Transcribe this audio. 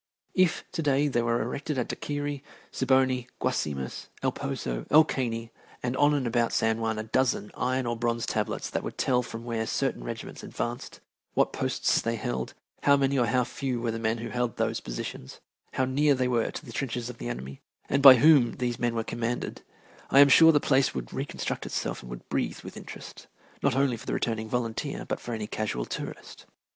If to day there were erected at Daiquairi, Siboney, Guasimas, El Poso, El Caney, and on and about San Juan a dozen iron or bronze tablets that would tell from where certain regiments advanced, what posts they held, how many or how few were the men who held those positions, how near they were to the trenches of the enemy, and by whom these men were commanded, I am sure the place would reconstruct itself and would breathe with interest, not only for the returning volunteer, but for any casual tourist.